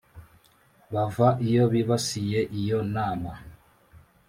bava iyo bibasiye iyo nama